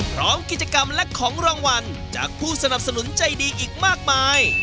พร้อมกิจกรรมและของรางวัลจากผู้สนับสนุนใจดีอีกมากมาย